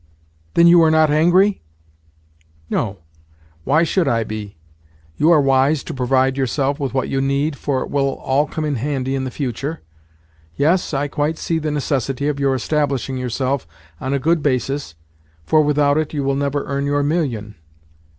"Then you are not angry?" "No. Why should I be? You are wise to provide yourself with what you need, for it will all come in handy in the future. Yes, I quite see the necessity of your establishing yourself on a good basis, for without it you will never earn your million.